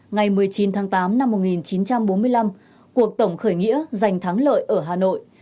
ngày một mươi chín tháng tám năm một nghìn chín trăm bốn mươi năm cuộc tổng khởi nghĩa giành thắng lợi ở hà nội